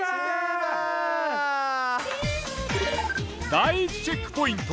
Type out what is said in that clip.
第１チェックポイント